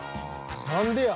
何でや。